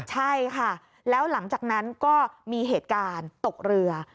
ใช่ค่ะแล้วหลังจากนั้นก็มีเหตุการณ์ตกเรือ